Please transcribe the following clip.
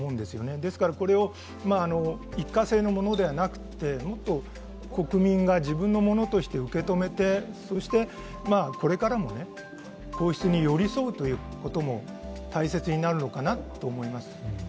ですからこれを一過性のものではなくて、もっと国民が自分のものとして受け止めてそしてこれからも皇室に寄り添うということも大切になるのかなと思います。